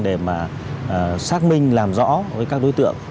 để xác minh làm rõ với các đối tượng